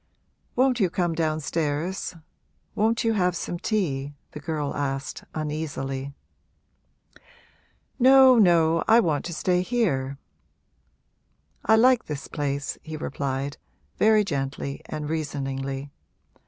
'Won't you come downstairs? won't you have some tea?' the girl asked, uneasily. 'No, no, I want to stay here I like this place,' he replied, very gently and reasoningly.